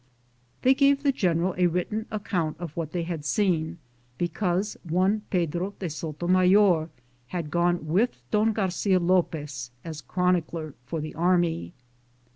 They gave> the general a written account of what they had seen, because one Pedro de Sotomayor had gone with Don Garcia Lopez as chroni cler for the army.